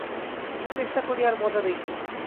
S, চেষ্টা করি আর মজা দেখি।